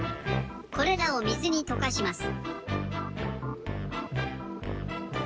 これらをみずにとかします。